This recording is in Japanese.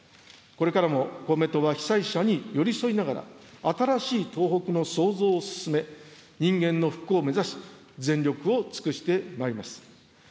これからも公明党は被災者に寄り添いながら、新しい東北の創造を進め、人間の復興を目指し、全力を尽くしてまいります。